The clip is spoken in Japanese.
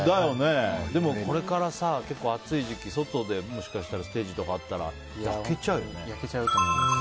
でもこれから結構暑い時期外でもしかしたらステージとかあったら焼けちゃうよね。